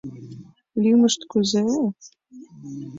Лӱмышт кузе?